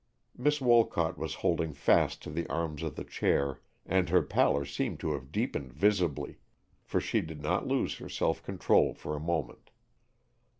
Miss Wolcott was holding fast to the arms of the chair and her pallor seemed to have deepened visibly, but she did not lose her self control for a moment.